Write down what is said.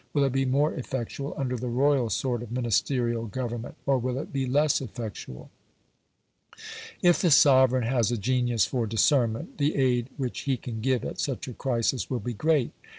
Will it be more effectual under the royal sort of Ministerial Government, or will it be less effectual? If the sovereign has a genius for discernment, the aid which he can give at such a crisis will be great.